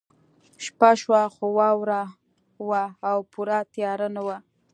شپه شوه خو واوره وه او پوره تیاره نه وه